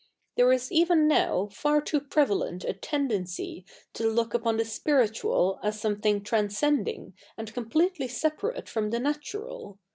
There is even 7iow far too prevalent a tende7icy to look upon the spiritual as S077iethi7ig tra7isce7idi7ig a7id completely separate from the 7iatural ; a?